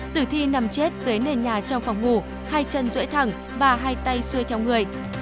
tử thi nằm chết dưới nền nhà trong phòng ngủ hai chân rưỡi thẳng và hai tay xuôi theo người